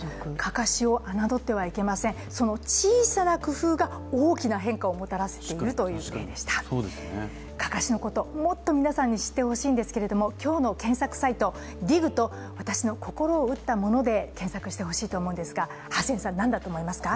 かかしをあなどってはいけません、その小さな工夫が大きな変化をもたらしているということでしたかかしのこと、もっと皆さんに知ってほしいんですけど今日の検索サイト「ＮＥＷＳＤＩＧ」と私の心を打ったもので検索してほしいと思うんですが、何だと思いますか？